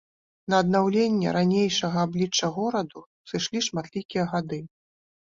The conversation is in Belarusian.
На аднаўленне ранейшага аблічча гораду сышлі шматлікія гады.